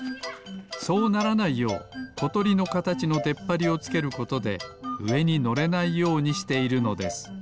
そうならないようことりのかたちのでっぱりをつけることでうえにのれないようにしているのです。